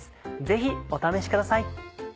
ぜひお試しください。